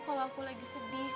kalo aku lagi sedih